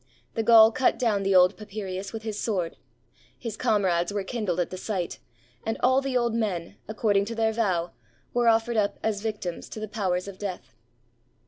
The Gaul cut down the old Papirius with his sword ; his comrades were kindled at the sight, and all the old men, according to their vow, were offered up as victims to the powers of death.